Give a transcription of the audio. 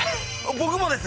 僕もです！